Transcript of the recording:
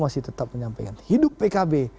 masih tetap menyampaikan hidup pkb